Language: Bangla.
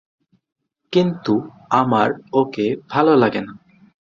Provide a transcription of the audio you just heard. কিন্তু আমার ওকে ভালো লাগেনা।